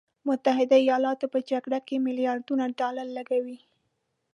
متحده ایالاتو په جګړو کې میلیارډونه ډالر لګولي.